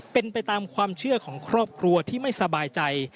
เป็นไปตามความเชื่อของครอบครัวที่ไม่สบายใจ